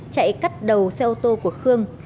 chạy cắt đầu xe ô tô của khương